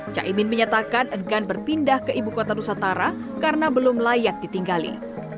caimin menyatakan enggan berpindah ke ibu kota nusantara karena belum layak ditinggali